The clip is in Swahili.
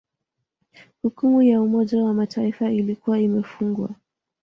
Hukumu ya Umoja wa Mataifa ilikuwa imefungwa